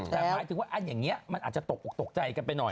แต่หมายถึงว่าอันอย่างนี้มันอาจจะตกออกตกใจกันไปหน่อย